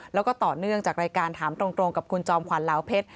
แล้วก็ต่อเนื่องจากรายการถามตรงกับคุณจอมขวัญเหลาเพชร